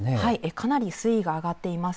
かなり水位が上がっています。